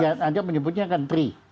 iya anda menyebutnya kan tri